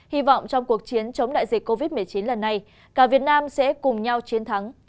hy vọng trong cuộc chiến chống đại dịch covid một mươi chín lần này cả việt nam sẽ cùng nhau chiến thắng